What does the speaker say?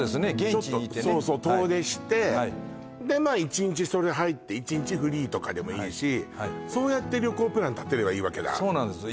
ちょっとそうそう遠出してでまあ１日それ入って１日フリーとかでもいいしそうやって旅行プラン立てればいいわけだそうなんですよ